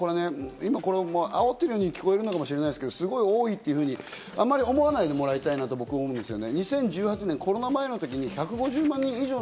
今、あおってるように聞こえるかもしれないですけど、すごく多いというふうに思わないでもらいたいと僕は思うんですね。